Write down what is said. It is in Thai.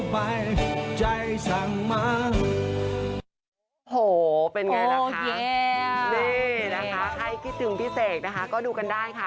ดีนะคะใครคิดถึงพี่เสกนะคะก็ดูกันได้ค่ะ